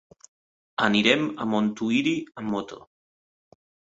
Anirem a Montuïri amb moto.